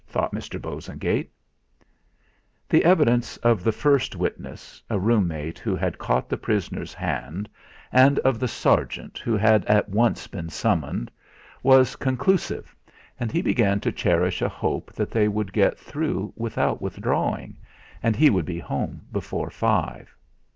thought Mr. Bosengate. The evidence of the first witness, a room mate who had caught the prisoner's hand, and of the sergeant, who had at once been summoned, was conclusive and he began to cherish a hope that they would get through without withdrawing, and he would be home before five.